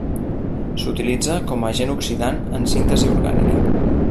S'utilitza com a agent oxidant en síntesi orgànica.